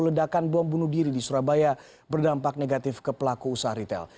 ledakan bom bunuh diri di surabaya berdampak negatif ke pelaku usaha retail